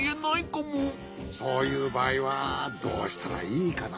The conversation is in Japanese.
そういうばあいはどうしたらいいかな。